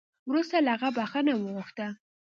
وروسته له هغه بخښنه وغوښته